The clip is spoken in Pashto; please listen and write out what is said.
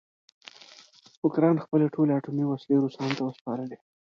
اوکراین خپلې ټولې اټومي وسلې روسانو ته وسپارلې.